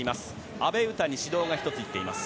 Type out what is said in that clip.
阿部詩に指導が１つあります。